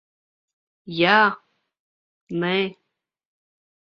Jā. Nē.